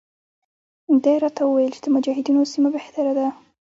ده راته وویل چې د مجاهدینو سیمه بهتره ده.